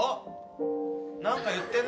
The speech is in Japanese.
何か言ってんな。